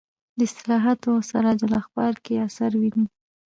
د اصلاحاتو او سراج الاخبار کې اثر ویني.